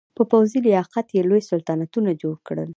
په پوځي لیاقت یې لوی سلطنتونه جوړ کړل.